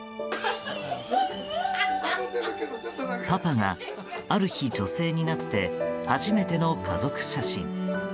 パパがある日、女性になって初めての家族写真。